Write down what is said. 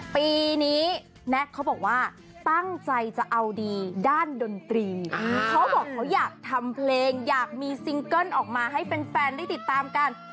ปีนี้แน็กเขาบอกว่าตั้งใจจะเอาดีด้านดนตรีเขาบอกเขาอยากทำเพลงอยากมีซิงเกิ้ลออกมาให้แฟนได้ติดตามกัน